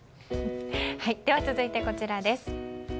続いて、こちらです。